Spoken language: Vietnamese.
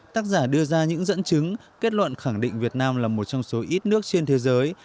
tác giả đưa ra những dẫn chứng kết luận khẳng định việt nam là một trong số ít nước trên thế giới